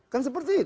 kan seperti itu